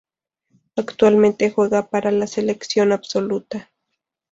Actualmente juega para la selección absoluta.